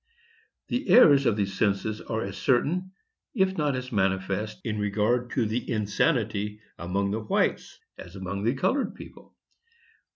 "The errors of the census are as certain, if not as manifest, in regard to the insanity among the whites, as among the colored people.